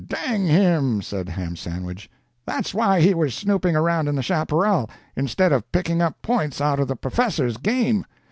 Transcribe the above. "Dang him!" said Ham Sandwich, "that's why he was snooping around in the chaparral, instead of picking up points out of the P'fessor's game.